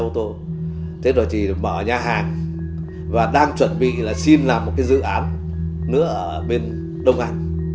thế rồi thì mở nhà hàng và đang chuẩn bị xin làm một dự án nữa ở bên đông hành